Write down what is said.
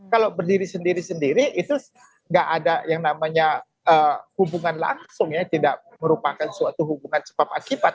kalau berdiri sendiri sendiri itu nggak ada yang namanya hubungan langsung ya tidak merupakan suatu hubungan sebab akibat